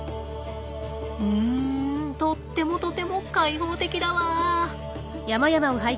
うんとってもとても開放的だわ。